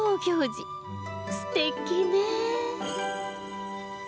すてきね。